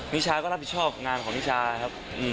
นิชาก็รับผิดชอบงานของนิชาครับ